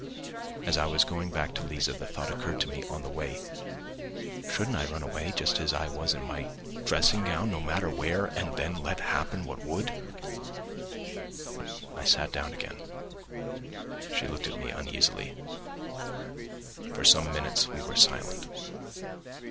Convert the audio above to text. As I was going back to Liza, the thought occurred to me on the way: shouldn't I run away just as I was in my dressing gown, no matter where, and then let happen what would? I sat down again. She looked at me uneasily. For some minutes we were silent.